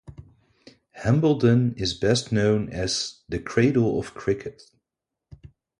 Hambledon is best known as the 'Cradle of Cricket'.